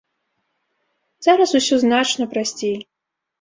Зараз усё значна прасцей!